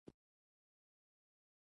پلار : لور جانې له څه وخت راهېسې